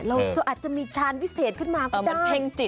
เราจะอาจจะมีชาญวิเศษขึ้นมาก็ได้ครับมันเพ่งจิต